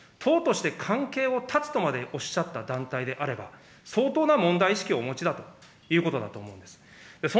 党として関係を断つとまでおっしゃった団体であれば、相当な問題意識をお持ちだということだと思うんです。